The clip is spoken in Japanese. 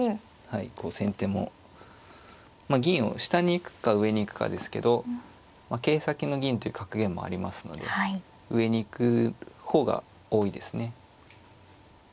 はいこう先手もまあ銀を下に行くか上に行くかですけど「桂先の銀」っていう格言もありますので上に行く方が多いですね。